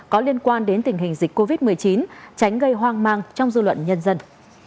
có liên quan đến tình hình dịch covid một mươi chín tránh gây hoang mang trong dư luận nhân dân